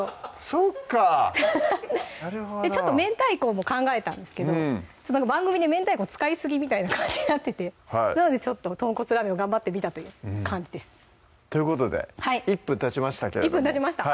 そっかなるほどめんたいこも考えたんですけど番組でめんたいこ使いすぎみたいな感じになっててなのでちょっととんこつラーメンを頑張ってみたという感じですということで１分たちましたけど１分たちました